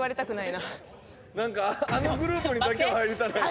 なんかあのグループにだけは入りたないな。